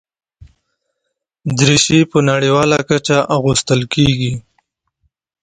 دریشي په نړیواله کچه اغوستل کېږي.